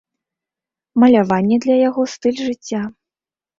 Маляванне для яго стыль жыцця.